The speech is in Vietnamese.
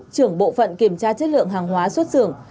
trưởng bộ phận kiểm tra chất lượng hàng hóa xuất xưởng